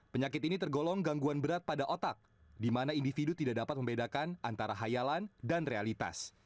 penyakit ini tergolong gangguan berat pada otak di mana individu tidak dapat membedakan antara hayalan dan realitas